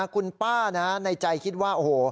คุณป้าในใจคิดว่าโอ้โห